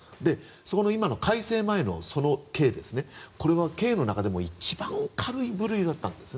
これが今の改正前の刑ですねこれは刑の中でも一番軽い部類だったんです。